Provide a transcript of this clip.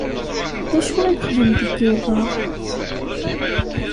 D acu i nexdem deg yiḍ-a?